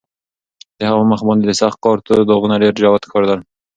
د هغه په مخ باندې د سخت کار تور داغونه ډېر جوت ښکارېدل.